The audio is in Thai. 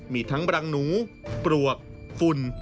มีทั้งบรังหนูปลวกฝุ่น